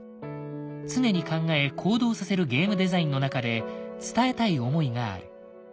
常に考え行動させるゲームデザインの中で伝えたい思いがある。